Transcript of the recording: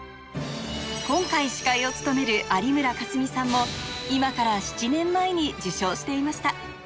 今回司会を務める有村架純さんも今から７年前に受賞していました